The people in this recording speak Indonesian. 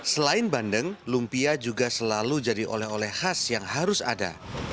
selain bandeng lumpia juga selalu jadi oleh oleh khas yang harus ada